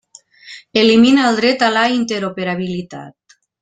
Elimina el dret a la interoperabilitat.